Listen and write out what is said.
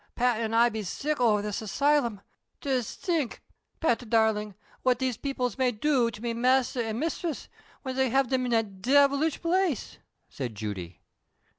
"Och ! Pat, an' I be sick ov this asylum ; jis tink, Pat darlin, what these peoples may do to me mashter an' mish tress, whin they hav them in that divilish place !" said Judy.